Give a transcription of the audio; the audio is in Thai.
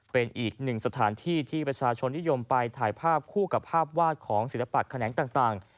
เป็นอีกหนึ่งสถานที่ที่ประชาชนนิยมไปถ่ายภาพคู่กับภาพวาดของศิลปะแขนงต่าง